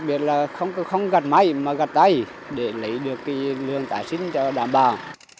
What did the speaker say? đặc biệt là không gặt máy mà gặt tay để lấy được lương tái sinh cho đảm bảo